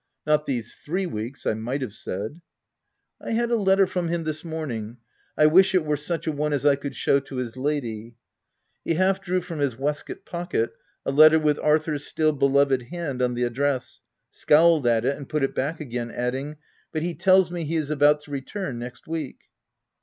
— Not these three weeks, I might have said. u I had a letter from him this morning. I wish it were such a one as I could show to his lady/' He half drew from his waistcoat pocket a letter with Arthur's still beloved hand on the address, scowled at it, and put it back again, adding — fc But he tells me he is about to return next week."